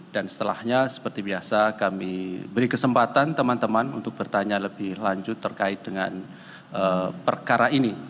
dan setelahnya seperti biasa kami beri kesempatan teman teman untuk bertanya lebih lanjut terkait dengan perkara ini